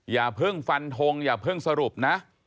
อย่าเพิ่งฟันทงอย่าเพิ่งสรุปนะ